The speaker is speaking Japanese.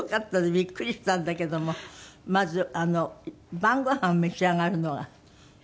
ビックリしたんだけどもまず晩ごはんを召し上がるのが？